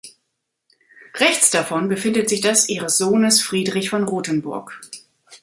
Rechts davon befindet sich das ihres Sohnes Friedrich von Rothenburg.